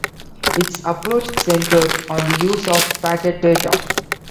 Its approach centred on the use of packet data.